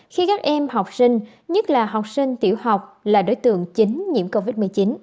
khi các em học sinh nhất là học sinh tiểu học là đối tượng chính nhiễm covid một mươi chín